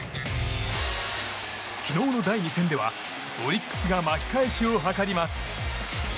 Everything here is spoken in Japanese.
昨日の第２戦ではオリックスが巻き返しを図ります。